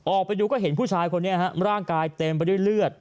ออกไปดูก็เห็นผู้ชายคนนี้ร่างกายเต็มไปด้วยเลือด